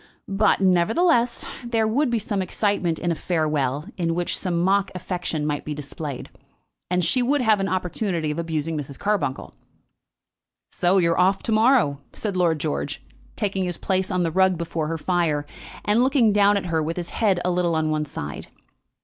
But, nevertheless, there would be some excitement in a farewell in which some mock affection might be displayed, and she would have an opportunity of abusing Mrs. Carbuncle. "So you are off to morrow?" said Lord George, taking his place on the rug before her fire, and looking down at her with his head a little on one side.